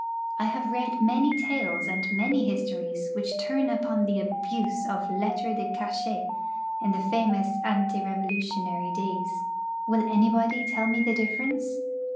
I have read many tales and many histories which turn upon the abuse of lettres de cachet in the famous ante Revolutionary days. Will anybody tell me the difference?